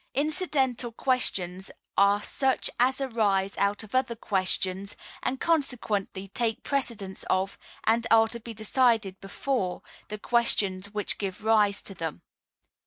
Incidental Questions are such as arise out of other questions, and, consequently, take precedence of, and are to be decided before, the questions which give rise to them.